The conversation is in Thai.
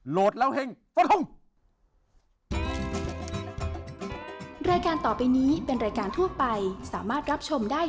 โหลดแล้วเฮ่งสวัสดีครับ